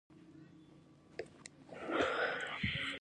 بل روایت دا دی چې تر طلایي ګنبدې لاندې لویه تیږه ده.